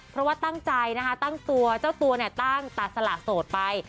เพราะว่าตั้งใจนะคะตั้งตัวเจ้าตัวเนี่ยตั้งตัดสละโสดไป